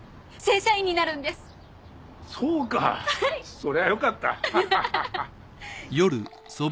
そりゃよかった。